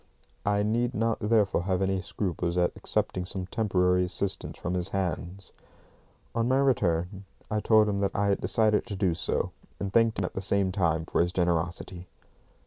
I need not therefore have any scruples at accepting some temporary assistance from his hands. On my return, I told him that I had decided to do so, and thanked him at the same time for his generosity.